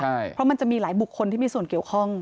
เพราะมันจะมีหลายบุคคลที่มีส่วนเกี่ยวข้อง